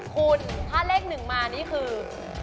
คุณถ้าเลข๑มานี่คือ